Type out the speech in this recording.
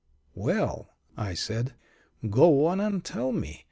"Well," I said, "go on and tell me.